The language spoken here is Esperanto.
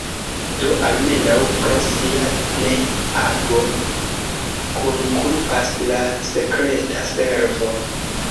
Do, almenaŭ pro sia ne-ago, kunkulpas la sekreta servo.